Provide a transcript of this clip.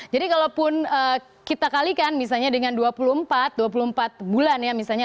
jadi kalaupun kita kalikan misalnya dengan dua puluh empat bulan ya misalnya